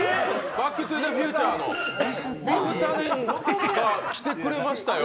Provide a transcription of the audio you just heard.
「バック・トゥ・ザ・フューチャー」のビフ・タネンが来てくれましたよ。